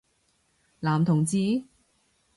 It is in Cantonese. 男同志？